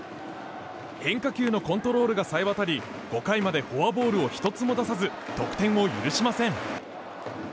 変化球のコントロールがさえわたり５回までフォアボールを１つも出さず得点を許しません。